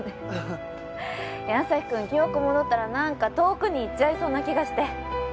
アサヒくん記憶戻ったらなんか遠くに行っちゃいそうな気がして。